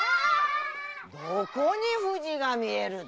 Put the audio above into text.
どこに富士が見えるだ？